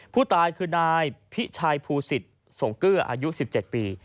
ผู้ตายคือนายพิชัยภูศิษฐ์สงเกลืออายุ๑๗ปี